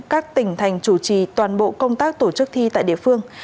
các tỉnh thành chủ trì toàn bộ công tác tổ chức thi tại địa phương